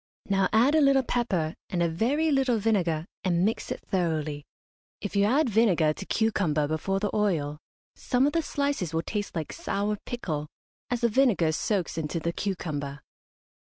Now add a little pepper, and a very little vinegar, and mix it thoroughly. If you add vinegar to cucumber before the oil some of the slices will taste like sour pickle, as the vinegar soaks into the cucumber.